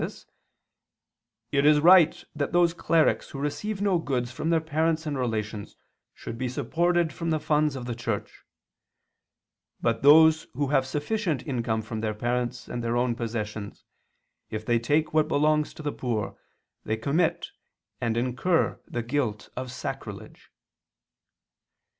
iv, among the supposititious works of St. Jerome]: "It is right that those clerics who receive no goods from their parents and relations should be supported from the funds of the Church. But those who have sufficient income from their parents and their own possessions, if they take what belongs to the poor, they commit and incur the guilt of sacrilege."